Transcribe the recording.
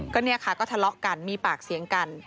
ก็ทะเลาะกันมีปากเสียงกัน